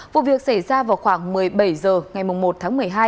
vụ việc xảy ra vào khoảng một mươi bảy h ngày một tháng một mươi hai